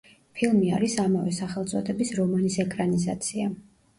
ფილმი არის ამავე სახელწოდების რომანის ეკრანიზაცია.